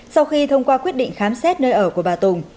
sau khi thông qua quyết định khám xét nơi ở của bà tùng